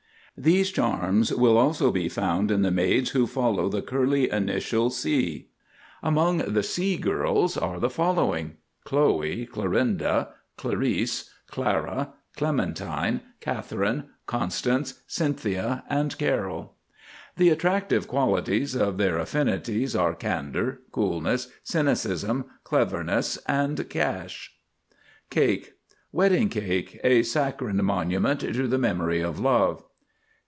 These charms will also be found in the maids who follow the curly initial C. Among the C girls are the following: Chloe, Clorinda, Clarice, Clara, Clementine, Catherine, Constance, Cynthia, and Carol. The attractive qualities of their affinities are Candor, Coolness, Cynicism, Cleverness, and Cash. CAKE, Wedding Cake. A saccharine monument to the memory of Love.